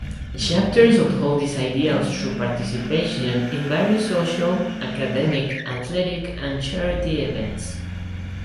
Chapters uphold these ideals through participation in various social, academic, athletic and charity events.